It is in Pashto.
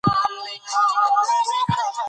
نمک د افغانستان په طبیعت کې مهم رول لري.